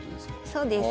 そうです。